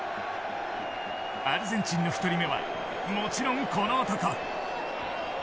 アルゼンチンの１人目はもちろんこの男。